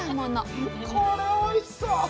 これおいしそう！